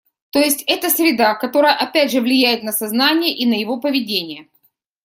То есть это среда, которая опять же влияет на сознание и на его поведение